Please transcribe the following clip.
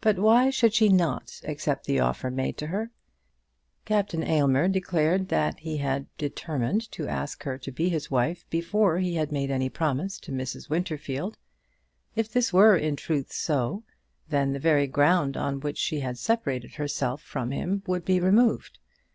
But why should she not accept the offer made to her? Captain Aylmer declared that he had determined to ask her to be his wife before he had made any promise to Mrs. Winterfield. If this were in truth so, then the very ground on which she had separated herself from him would be removed.